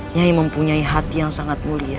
nyai mempunyai hati yang sangat mulia